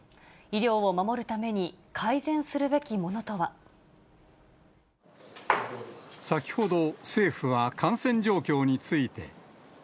医療を守るために、改善するべき先ほど、政府は感染状況について。